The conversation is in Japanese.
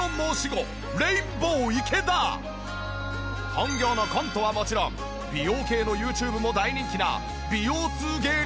本業のコントはもちろん美容系のＹｏｕＴｕｂｅも大人気な美容通芸人。